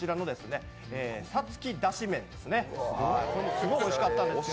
すごいおいしいんですよ！